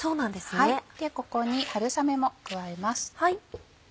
ここに春雨も加えます。